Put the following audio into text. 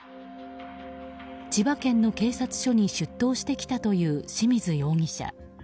千葉県の警察署に出頭してきたという清水容疑者。